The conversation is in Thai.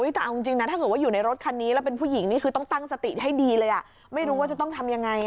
แต่เอาจริงนะถ้าเกิดว่าอยู่ในรถคันนี้แล้วเป็นผู้หญิงนี่คือต้องตั้งสติให้ดีเลยไม่รู้ว่าจะต้องทำยังไง